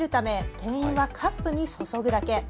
店員はカップに注ぐだけ。